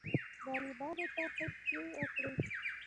معلمانو ته خشکې وکړې.